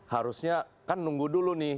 harusnya kan nunggu dulu nih